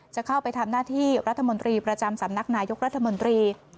จะเข้าไปทำหน้าที่รัฐมนตรีประจำสำนักนายกรัฐมนตรี